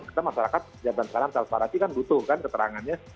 kita masyarakat jadwal sekarang sel parati kan butuh kan keterangannya